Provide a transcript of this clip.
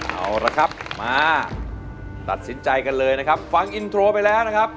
เอาละครับมาตัดสินใจกันเลยนะครับฟังอินโทรไปแล้วนะครับ